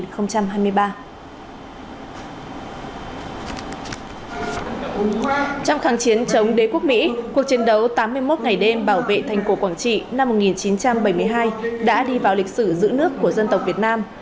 trong kháng chiến chống đế quốc mỹ cuộc chiến đấu tám mươi một ngày đêm bảo vệ thành cổ quảng trị năm một nghìn chín trăm bảy mươi hai đã đi vào lịch sử giữ nước của dân tộc việt nam